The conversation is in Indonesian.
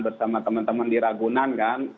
bersama teman teman di ragunan kan